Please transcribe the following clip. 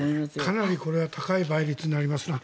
かなりこれは高い倍率になりますな。